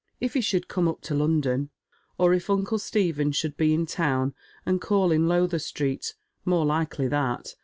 If he should come up to London ? Or if uncle Stephen should be in town and call in Lowther Street? More likely that.